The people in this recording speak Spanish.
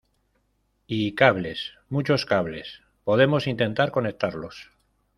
y cables, muchos cables , podemos intentar conectarlos